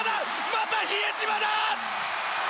また比江島だ！